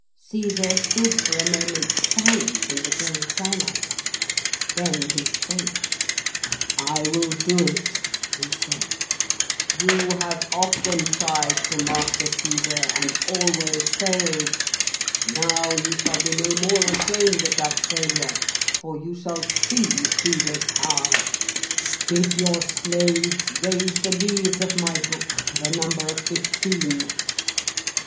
Caesar stood for a moment silent in the grey twilight. Then he spoke. 'I will do it,' he said; 'you have often tried to master Caesar and always failed. Now you shall be no more ashamed of that failure, for you shall see Caesar's power. Bid your slaves raise the leaves of my book to the number of fifteen.'